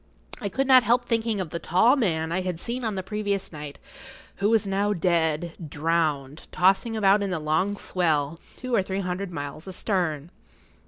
I could not help thinking of the tall man I had seen on the previous night, who was now dead, drowned, tossing about in the long swell, two or three hundred miles astern.